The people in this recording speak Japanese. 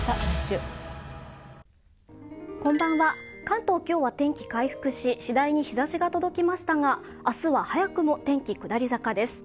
関東、今日は天気が回復し次第に日ざしが届きましたが明日は早くも天気、下り坂です。